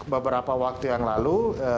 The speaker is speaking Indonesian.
beberapa waktu yang lalu